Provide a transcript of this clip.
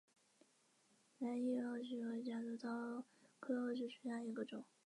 最终回归到自然的抒情派画风。